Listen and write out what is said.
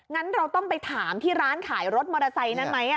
งั้นเราต้องไปถามที่ร้านขายรถมอเตอร์ไซค์นั้นไหม